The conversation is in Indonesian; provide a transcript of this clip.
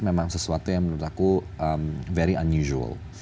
memang sesuatu yang menurut aku very unusual